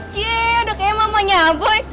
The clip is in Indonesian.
ciee udah kayak mama nyaboi